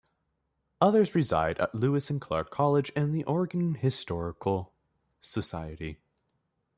Others reside at Lewis and Clark College and the Oregon Historical Society.